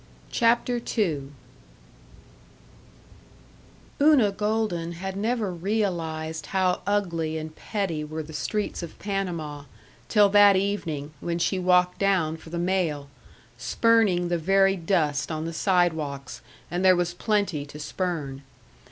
CHAPTER II Una Golden had never realized how ugly and petty were the streets of Panama till that evening when she walked down for the mail, spurning the very dust on the sidewalks and there was plenty to spurn.